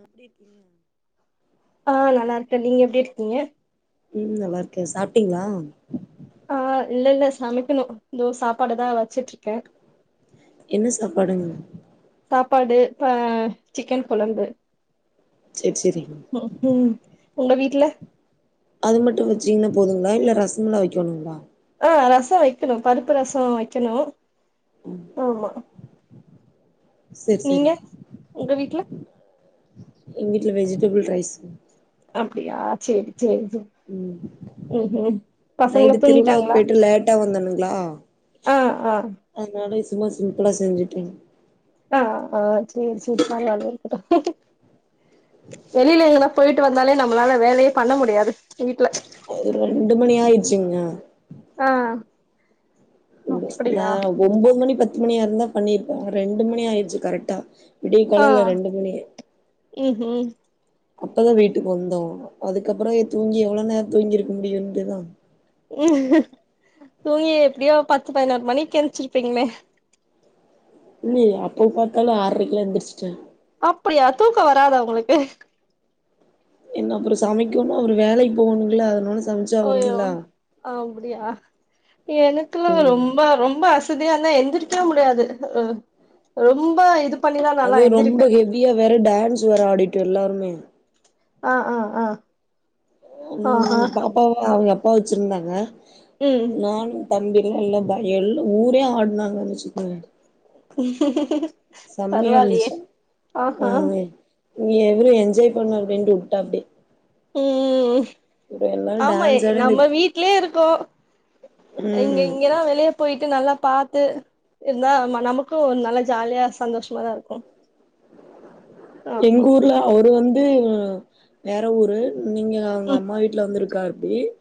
எப்டி இருக்கீங்க ஆ நல்லா இருக்கே நீங்க எப்பிடி இருக்கீங்க உம் நல்லா இருக்கே சாப்பிட்டீங்களா ஆ இல்ல இல்ல சமைக்கணு இதோ சாப்பாடுதா வச்சுட்டு இருக்கே என்ன சாப்பாடுங்க சாப்பாடு ஆ சிக்கன் கொழம்பு சேரி சேரி ம் உம் உங்க வீட்டுல அது மட்டும் வச்சீங்கன்னா போதுங்களா இல்ல ரசமலா வெக்கணுங்களா ஆ ரசோ வெக்கணு பருப்பு ரசோ வெக்கணு ஆமா சேரி நீங்க சேரி உங்க வீட்டுல இங்கடில் வெஜிடபுள் ரரைஸ அப்படியா சரி உம் பசங்களா நைட்டு திருவிழாவுக்கு போயிட்டு லேட்டா வந்தணுங்க பலா ஆஹ் ஆஹ் சும்மா சிம்பிளா செஞ்சுட்டேங்க ஆஹ் ஆஹ் சரி சரி நாலும் இருக்கட்டும் வெளியில எங்கா போயிட்டு வந்தாலே நம்மளால வேலையே பண்ண முடியாது வீட்டுல ரெண்டு மணி ஆயிடுச்சுங்க ஆஹ் நான் ஒன்பது மணி பத்து மணியா இருந்தா பண்ணிருப்பேன் ரெண்டு மணி ஆயிடுச்சு கரெக்டா விடிய ஆ கொலையில ரெண்டு மணி ம் அப்பதான் வீட்டுக்கு வந்தோ அதுக்கப்புறம் தூங்கி எவ்வளவு நேரம் தூங்கிருக்க முடியும்ட்டுதான் உம் தூங்கி எப்படியோ பத்து பதினொரு மணிக்கு எணச்சிருப்பீங்களே இல்ல இல்லலை அப்ப பார்த்தாலும் ஆறரைக்கலாம் எந்திரிச்சுட்டேன் அப்படியா தூக்கம் வராதா உங்களுக்கு என்ன அப்புறம் சமைக்கணும் அவரு வேலைக்கு போகணுங்களா அதனால ஓய்யோ சமைச்சாகணுங்களா அப்படியா எனக்குல்லாம் ம் ரொம்ப ரொம்ப அச [unintelligible] எந்திரக்க முடியாது ரொம்ப இது பண்ணிதா நாலா அது ரொம்ப எந்திரிப்பே ஹெவியா வேற டான்ஸ் வேற ஆடிட்டும் எல்லாருமே [unintelligible] ஆஹ் ஆஹ் ஆஹ் ம் பாப்ப அவங்க அப்போ வச்சுருந்தாங்க ம் நானும் தம்பில இல்லபா எல்லா ஊரே ஆடுனாங்கன்னு வச்சுக்கேன் செம்மையா பரவாலே ஆஹ எவரும் என்ஜாய் பண்ணு அப்படின்ட்டு விட்டா அப்டி ம் ஆமா டான்ஸ் ஆடி இந்த நம்ம வீட்லே இருக்கோ இங்க ம் இங்கல்லாம் வெளிய போயிட்டு நல்லா பார்த்து இருந்தா நமக்கு நல்ல ஜாலியா சந்தோஷமாதா இருக்கு எங்க ஆமா ஊர்ல அவரு வந்து வந்து வேற ஊரு நீங்க அவங்க ம் அம்மா வீட்டுல வந்துக்கு காப்பிக்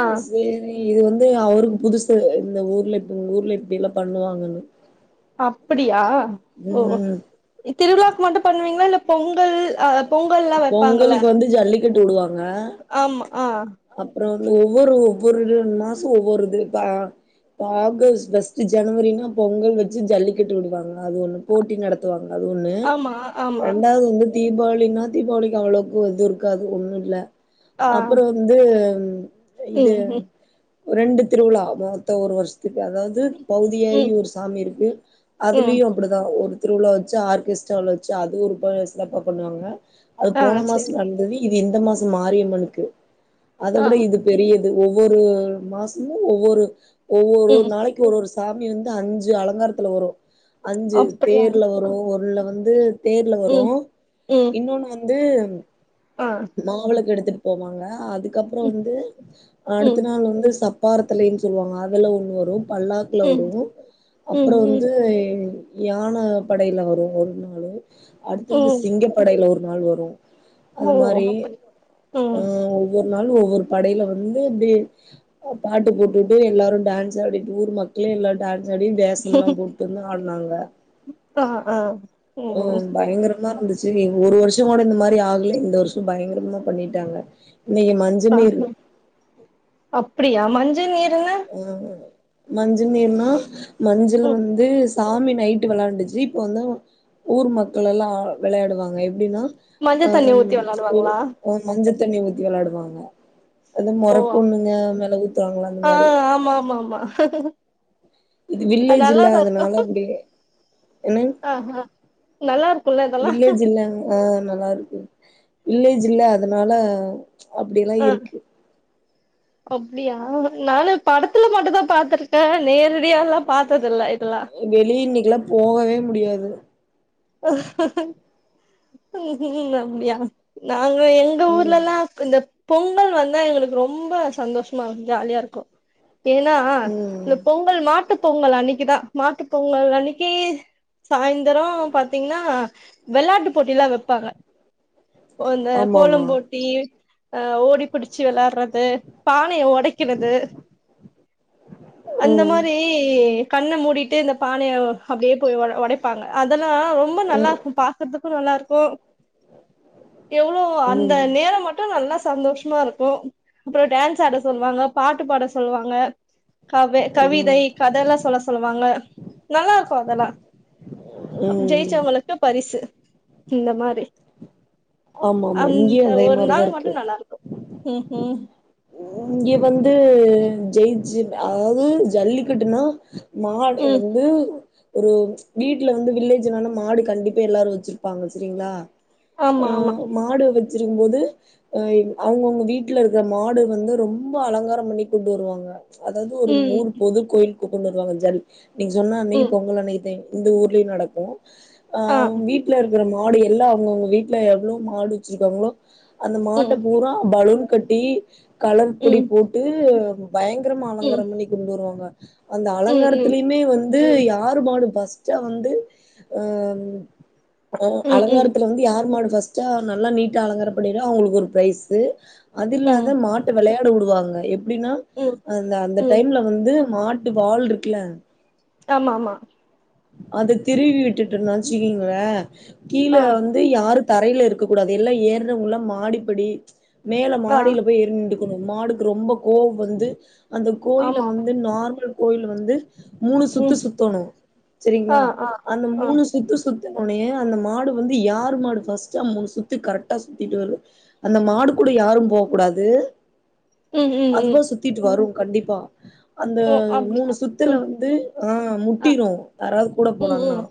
ஆ சவேர [unintelligible] இது வந்து அவருக்கு புதுசு இந்த ஊர்ல ஊர்ல இப்படிலா பண்ணுவாங்கன்னு அப்படியா ஓ ம் திருவிழாக்கு மட்டு பண்ணுவீங்களா இல்ல பொங்கல் அ பொங்கல்லா வைப்பாங்கல்ல பொங்கலுக்கு வந்து ஜல்லிக் கட்டு வுடுவாங்க ஆ ஆமா ஆ அப்றோ ஒவ்வொரு ஒவ்வொரு மாசோ ஒவ்வொரு இது ஆகஸ்ட் பஸ்ட் ஜனவரினா பொங்கல் வச்சு ஜல்லிக்கட்டு விடுவாங்க அது ஒண்ணு போட்டி நடத்துவாங்க அது ஒண்ணு ஆமா ஆமா ரெண்டாவது வந்து தீபாவளினா தீபாவளிக்கு அவ்வளவுக்கு எது இருக்காது ஒண்ணு இல்ல ஆ [unintelligible] இது ம் ம் ரெண்டு திருவிழா மொத்த ஒரு வருஷத்துக்கு அதாவது பௌதியகி ம் ஒரு சாமி இருக்கு ம் அதுலயும் அப்படிதான் ஒரு திருவிழா வச்சு ஆர்கெஸ்ட்ராவில் வச்சு அது ஒரு பசலப்பா பண்ணுவாங்க அது ஆ போன சரி மாசம் நடந்தது இது இந்த மாசம் மாரியம்மனுக்கு அத ஆ விட இது பெரியது ஒவ்வொரு மாசமு ஒவ்வொரு இது ஒவ்வொரு ஒரு ம் நாளைக்கு ஒரு ஒரு ஸ் சாமி வந்து அஞ்சு அலங்காரத்துல வரு அஞ்சு அப்படியா தேர்ல வரு ஒருல வந்து து தேர்ல வரு ம் ம் இன்னொன்னு வந்து உம் ஆ மாவலக்கு எடுத்துட்டு போவாங்க அது அதுக்கப்புரோ ம் வந்து அடுத்த ம் நாள் வந்து சப் பாரத்துலைன்னு சொல்லுவாங்க அதெல்லா ஒன்னு வரும் பல்லாக்குல ம் வருவு ம் அப்புரோ ம் வந்து யான படையில வருவு ஒரு நாளு அடுத்தது ம் சிங்கப்படையில வரு நாள் வரு அது ஓ அப்படி உம் ஒரு நாள் ஒவ்வொரு படையில வந்து அப்டியே பாட்டு போட்டுட்டு எல்லாரு டான்ஸ் ஆடிட்டு ஊர் மக்களே எல்லா டான் ஸாடி வேசம்லா போட்டு வந்து ஆடுனாங்க ஆஹ் ஆஹ் ஹ்ம் பயங்கரமா இருந்துச்சு ஒரு வருஷ கொஞ்சங் கோட இந்த மாரி ஆகலை இந்த வர்ஷோ பயங்கரமா பண்ணிட்டாங்க இன்னைக்கு ஆ மஞ்சநீரு அப்படியா மஞ்சள் நீருனா ஆஹ் மஞ்ச நீர்னா மஞ்சள ம் வந்து சாமி நைட்டு விளையாண்டுச்சு இப்போ வந்து ஊர் மக்கள் எல்லா விளையாடுவாங்க எப்டின்னா மஞ்ச தண்ணி அஹ் ஊத்தி ஒரு வெளாடுவாங்களா அ மஞ்சள் தண்ணி ஊத்தி விளாடுவாங்க அது மொரப் ஓ பொண்ணுங்க மேல ஊத்துவாங்கள அந்த ஆ மாரி ஆமா ஆமா ஆமா இது வில்லேஜ் இல்ல அதனால அப்டி ஏன்னா ஆஹ்ஹ நல்லா இருக் வில்லேஜ் இல்ல ஆஹ் நல்லா இருக்கு வில்லேஜ் இல்ல அதனால அப்படி எல்லா இருக்கு அப்படியா நானு படத்துல மட்டுந்தா பாத்திருக்கே நேரடியால்லா பாத்ததில்ல இதெல்லா வெளிய இன்னி க்லா போகவே முடியாது உம் அப்டியா நா ங்க எங்க ம் ஊர்லல்லா இந்த பொங்கல் வந்தா எங்களுக்கு ரொம்ப சந்தோஷமா இருக்கு ஜாலியா இருக்கு ஏன்னா ம் இந்த பொங்கல் மாட்டு பொங்கல் அன்னிக்குதா மாட்டு பொங்கல் அன்னைக்கு சாயந்தர பத்து பாத்தீங்கன்னா வெளாட்டு போட்டி எல்லா வெப்பாங்க அந்த ஆமா ஆமா கோலம் போட்டி அஹ் ஓடி பிடிச்சு வெளாடுறது பானைய ஒடைக்கிறது அந்த மாரி ம் கண்ண மூடிட்டு இந்த பானைய அப்டியே போய் ஒட ஒடைப்பாங்க அதெல் லா ரொம்ப நல்லா ம் இருக்கு பாக்கறதுக் கு நல்லா இருக்கு எவ்ளோ அந்த ம் நேர மட்டும் நல்லா சந்தோஷமா இருக்கு அப்றோ டான்ஸ் ஆட சொல்வாங்க பாட்டு பாட சொல்வாங்க கவே கவிதை ம் கத எல்லா சொல்ல சொல்வாங்க நல்லா இருக்கு அதெல்லா ம் ஜெயிச்சவங்களுக்கு பரிசு இந்த மாரி ஆமா ஆமா அந்த இங்கேயு அதே ஒரு மாரிதா நாள் இருக்கு மட்டும் நல்லா இருக்கு உம் ஹம் இங்க வந்து ஜெய்சி அதாவ்து ஜல்லிக்கட்டுனா மாட ம் வந்து ஒரு வீட்டுல வந்து வில்லேஜ்ல எல்லா மாடு கண்டிப்பா எல்லாரு வச்சிருப்பாங்க செரிங்களா ஆமா ஆமா உம் மாட வெச் சி இருக்கும்போது அவுங்கவுங்க வீட்டுல இருக்கிற மாடு வந்து ரொம்ப அலங்காரம் பண்ணி கூட்டு வருவாங்க அதாவ்து ஒரு ம் ஊர் பொது கோயில் கூப்ட்டு வந்துருவாங்க ஜல் நீங்க சொன்னா அன்னைக்கி ம் பொங்கல் அன்னைக்கிதே இந்த ஊர்லயு நடக்கு ஆ அஹ் வீட்டுல இருந் [unintelligible] மாடு எல்லா அவுங்கவுங்க வீட்டுல எவ்ளோ மாடு வச்சிருக்காங்களோ அந்த மாட்ட ம் பூரா பலூன் கட்டி கலர் பொடி ம் போட்டு பயங்கரமா ம் அலங்காரம் பண்ணி கொண்டு வருவாங்க அந்த ம் ம் அலங்காரத்துலியுமே வந் து யாருமாடு ஃபஸ்ட்டா வந்து அம் வரும் ம் ம் அலங்காரத்துல வந்து யார்ரு மாடு ஃபஸ்டா நல்லா நீட்டா அலங்காரம் பண்ணிகோ அவுங்களுக்கு ஒரு பிரைஸ்ஸு அது ம் இல்லாத மா விளையாட வுடுவாங்க எப் அப்டின்னா ம் அந்த அந்த ம் டைம்ல வந்து மாட்டு வால் இருக்குல ஆமா ஆமா அத திருவி விட்டுட்டு நச்சக்கீங்களே கீழ ஆ வந்து யாருக் தரையில இருக்கக்க கூடாது எல்லாம ஏறுறவங்கல்லா மாடிப்படி ச்சு மேல ஆ மாடியில போய் ஏறிநிண்டு அந்த மாடு ரொம்ப கோவம் வந்து அந்த கோயில ஆமா ஆமா வந்து நார்மல் கோயில் வந்து மூணு சுத்து ம் சுத்தணும் ஆ செரிங்களா ஆ அந்த ஆ மூணு சுத்து சு சுத்த உனே அந்த மாடு வந்து யாரு மாடு ஃபஸ்ட் மூணு சுத்து கரெக்டா சுத்திட்டு வருதோ அந்த மாடு கூட யாரும் போ கூடாது ம் ம் ம் ம் அதுவ சுத்திட்டு வரும் கண்டிப்பா அந்த மூணு அப்டியா சுத்துல ம் வந்து ஆஹ் மு ஆ முட்டிரும் யாராவது கூட ம் போனாங்னா ம்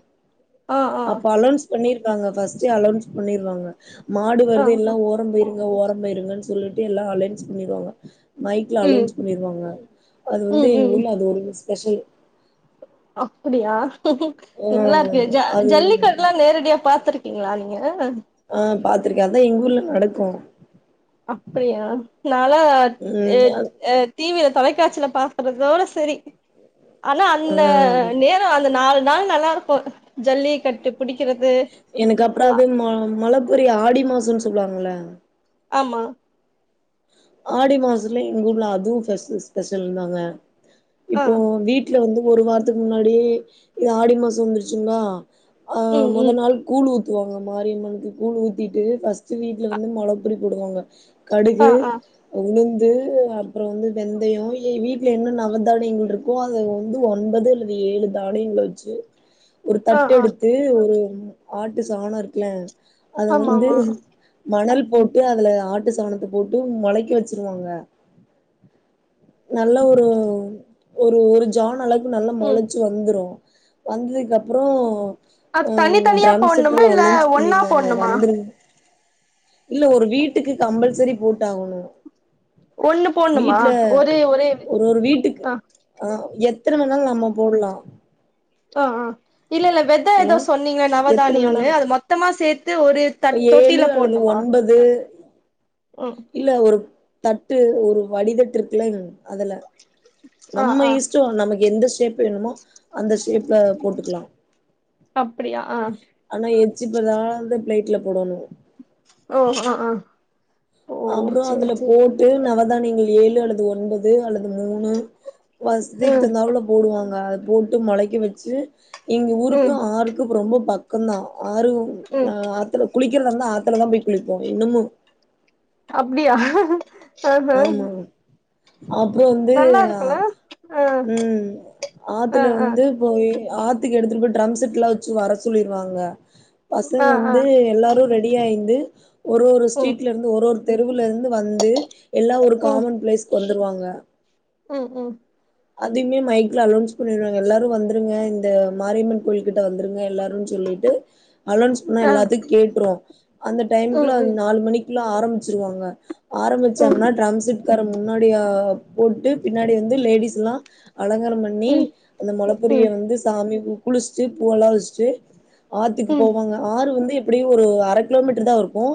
ஆ ஆ அப்ப அலன்ஸ் பண்ணி பாங்க ஃபர்ஸ்டே அலௌன்ஸ் பண்ணிருவாங்க மாடு ஆ வருது எல்லா ஓரம் போயிருங்க ஓரம் நம்ம இருங்கன்னு சொல்லிட்டு எல்லா அலைன்ஸ் பண்ணிடுவாங்க மைக்ல ம் அலௌன்ஸ் பண்ணிருவாங்க அது வந்து ம் எங்க ம் ஊர்ல அது ஒரு [unintelligible] அப்படியா ஆ நல்லா இருக்கே ஜல் அது ஜல்லிக்கட எல்லா நேரடியா பாத்திருக் இருக்கிங்களா நீங்க ஆஹ் பாத்திருக்கேன் அதான் எங்க ஊர்ல நடக்கும் அப்படியா நாலா அ அ டீவில தொலைக்காட்சியில பாக்குறதோட செரி ஆனா ஆ அந்த நேரம் அந்த நாலு அதனால நல்லா இருக்கும் ஜல்லி கட்டு எனக்கு அப்புறோ அது மல மலபுரிய ஆடி மாசம்ன்னு சொல் சொல்லுவாங்கள ஆமா ஆடி மாசத்துல எங்க ஊர்ல அதுவும் ஸ்பெஷ. ஸ்பெஷல் தாங்க ஆ இப்போ வீட்டுல வந்து ஒரு வாரத்துக்கு முன்னாடியே இது ஆடி மாசம் வந்துருச்சுங்களா ஆஹ் ம் மொத ம் நாள் கூழ் ஊ ஊத்துவாங்க மாரியம்மனுக்கு கூழ் ஊத்திட்டு பர்ஸ்ட் வீட்டுல வந்து மலைப்பரி போடுவாங்க கடு ஆஹ் ஆஹ் உளுந்து அப்பறோ வந்து வெந்தய வீட்டுல என்ன நவவதானியங்கள் இருக்கோ அது வந்து ஒன்பது அல்லது ஏழு தானியங்கள வச்சு ஒரு ஆ தட்டு ஆ எடுத்து ஒரு ஆட்டு சாண இருக்கல அது ஆமா வந்து ஆமா மணல் போட்டு அதுல ஆட்டு சாணத்து போட்டு மொளைக்கி வச்சிருவாங்க நல்ல ஒரு ஒரு ஒடரு ஜான் அள நல்லா ம் மொளைச்சு வந்துரு வந்ததுக்கு அப்புறோ அது தனி ம் தனியா ட்ரம் செட் போட்ணுமா எல்லா இல்ல அலோன்ஸ் ஒன்னா பண்ணிருவாங்க போட்ணுமா வந்துருங்க இல்ல ஒரு வீட்டுக்கு கம்பல்சரி போட்டாகணு ஒண்ணு போண்ணுமா வீட்ல ஒரே ஒரே அ எத்தனை மணி நாள் நம்ம போடலா அஹ் ஆஹ் இல்ல இல்ல வெதை ஹலோ ஏதோ சொன்னீங்க எத்தன நவவதானியம்னு வேணாலு அது மொத்தமா சேத்து ஒரு தட் ஏழு தொட்டில அல்லது போடணுமா ஒன்பது ம் இல்ல ஒரு தட்டு ஒ ஒரு வடிதட்டு இருக்குல அதுல ஆ நம்ம ஆ இஸ்டோ நமக்கு எந்தெஷ் டேப் வேணுமோ அந்த ஷேப்லெ போட்டுக்லா அப்டியா ஆ அனா எச்சிப்ப தான்டு நைட்ல போடணூ ஓ ஹ் ஆஹ் அப்புறோ அதுல போட்டு நவதானியங்கள் ஏழு அல்லது ஒன்பது அல்லது மூணூ வஸ்திக் ம் தந்த அவ்ளோ போடுவாங்க போட்டு மொளைக்க வச்சீ எங்கு ஊருக்கு ம் ஆருக்கு ரொம்போ பக் க்கொந்தா ஆறூ ம் நா ஆத்துல குளிக் கிற்ந்தந்தா ஆத்துலதா போய் குளிப்போ இன்னுமு அப்டியா ஆஹா ஆமா அப்றோ வந்தூ ஆஹ் ஆ ம் ஆ ஆத்துல ஆ வந்து போயி ஆத்துக்கு எடுத்துட்டு போய் ட்ரம்ஸெட்லா வச்சு வர சொல்லிர்வாங்க பசங் ஆ ஆ வந்து எல்லாரு ரெட் டி ஆய்ந்து ஒரு ஒரு ஸ்டீட்லர்ந்து ஒரு ஒரு தெருவுலருந்து வந்து எல்லா ஒரு ம் காமன் பிளேஸ்க்கு வந்துர்வாங்க ம் ம் ம் அதிமே மைக்லெ அலோன்ஸ் பண்ணிர்வாங்க எல்லாரு வந்துருங்க இந்த மாரியம்மன் கோய்ல்கிட் ட வந்துருங்க எல்லாருன் சொல்லிட்டு அலோன்ஸ் பண்ணா ஆ எல்லாத்துக் கேட்ரூ அந்த ம் டைம்குல ம் நாலு மணிக் க்லா ஆரம்ச்சிருவாங்க ஆரம்பிச் ம் ச்சாங்னா ட்ரம்ஸிட் காரங் முன்னாடியா போட்டு பின்னாடி வந்து லேடிஸுல்லா அலங்காரம் பண்ணீ ம் அந்த மொலப் புரியெ ம் வந்து சாமி கு குளிஷ்ட்டு பூவெலா வெஷ்ட்டு ஆத்துக்கு ம் போவாங்க ஆறு வந்து எப் ப்டியு ஒர அர கிலோமிட்ரு தாருக்கூ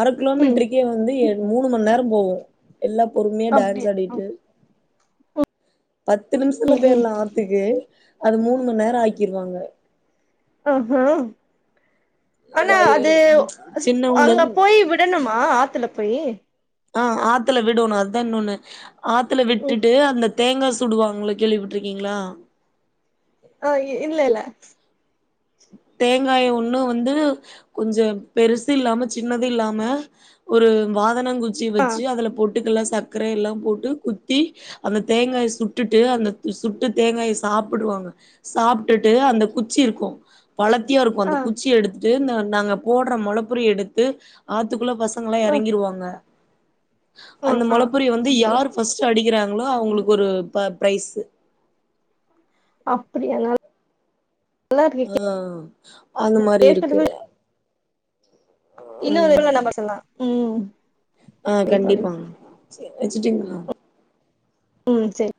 அர ம் கிலோமிட்ருக்கே வந்து எ மூணு மண்நேரம் கூ எல்லா பொறும்யா டேன்ஸ் அப்டியா ஆடிட்டு பத்து நிமிஷத்துல ம் ம் பெய்ரலா ஆத்துக்கு அது மூண் மணி நேரொ ஆக்கிருவாங்க ஆஹா ஆனா வய அது சின்னவங்கள அங்க போய் விடணுமா ஆத்துல பொயி ஆ ஆத்துல விடொணு அதா இன்னொண்ணு ஆத்துல ம் விட்டுட்டு அந்த தேங்கா சுடுவாங்ள கேள்வி பட்ருக்கிங்ளா ஆஹ் இ இல்லைல்ல தேங்காய ஒண்ணு வந்து கொஞ்சொ பெருசு இல்லாம சின்னது இல்லாம ஒரு வாத் தெனங்குச்சி வச்சி அதுல பொட் டுக்கல சக்கரெ எல்லாம் போட்டு குத்தி அந்த தேங்காய சுட்டுட்டு அந்த சுட்டு தேங்காயை சாப்புடுவாங்க சாப்டுட்டு அந்த குச்சி இருக்கு வளத்தியா இருக்கு ஆ அந்த குச்சிய எடுத்துட்டு இந்த நாங்க போடுற முளப்புரிய எடுத்து ஆத் பத்துக்குள்ள பசங்களா ஆ இறங்கிருவாங்க ஆ அந்த ஆ மொல பரிய வந்து அப்டியா யார் ஃபர்ஸ்ட்ட் அடிக்கிறாங்க அவுங்களுக்கு ஒரு ப ப்ரைஸு அப்டியானால் ஆ ஆஹ அந்த மாரி இருக்கு இன்னு ஒரு [unintelligible] நம்பர் சொல்லலா ம் அ செரி தோழி கண்டிப்பா வச்சிட்டிங்ளா ம் செரி